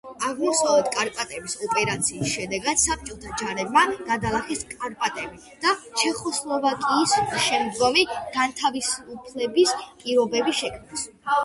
აღმოსავლეთ კარპატების ოპერაციის შედეგად საბჭოთა ჯარებმა გადალახეს კარპატები და ჩეხოსლოვაკიის შემდგომი განთავისუფლების პირობები შექმნეს.